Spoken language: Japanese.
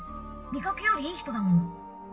見かけよりいい人だもの